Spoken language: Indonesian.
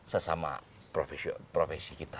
sesama profesi kita